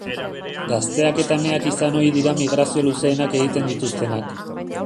Gazteak eta emeak izan ohi dira migrazio luzeenak egiten dituztenak.